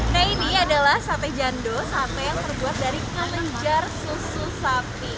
nah ini adalah sate jando sate yang terbuat dari kelenjar susu sapi